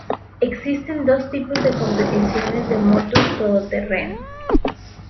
Existen dos tipos de competiciones de motos todoterreno.